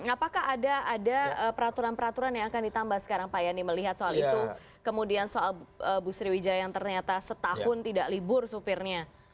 apakah ada peraturan peraturan yang akan ditambah sekarang pak yani melihat soal itu kemudian soal bu sriwijaya yang ternyata setahun tidak libur supirnya